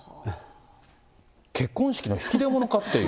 結婚式の引き出物かっていう。